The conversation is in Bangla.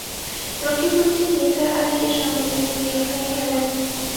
রকিবউদ্দিন নিসার আলিকে সঙ্গে নিয়ে বের হয়ে এলেন।